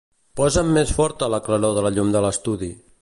Posa'm més forta la claror de la llum de l'estudi.